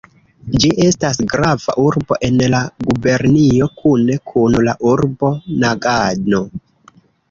Ĝi estas grava urbo en la gubernio kune kun la urbo Nagano.